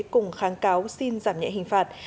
cùng kháng cáo xin giảm nhẹ hình phạt